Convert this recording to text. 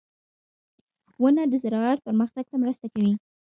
• ونه د زراعت پرمختګ ته مرسته کوي.